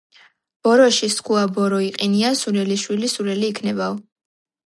ბოროში სქუა ბორო იჸინია სულელის შვილი სულელი იქნებაო